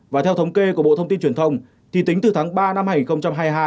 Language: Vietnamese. và theo thống kê của bộ thông tin truyền thông thì tính từ tháng ba năm hai nghìn hai mươi hai